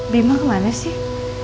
bima kemana sih